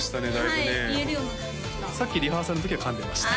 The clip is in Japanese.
さっきリハーサルのときは噛んでました